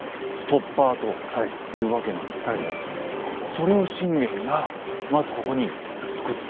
それを信玄がまずここに造った。